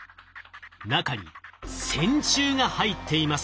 中に線虫が入っています。